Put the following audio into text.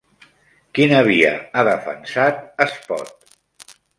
Quina via ha defensat Espot?